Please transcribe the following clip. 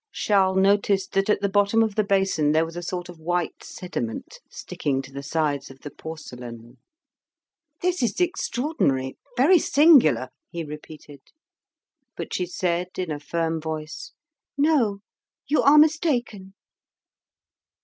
Charles noticed that at the bottom of the basin there was a sort of white sediment sticking to the sides of the porcelain. "This is extraordinary very singular," he repeated. But she said in a firm voice, "No, you are mistaken."